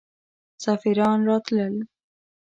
سفیران راتلل.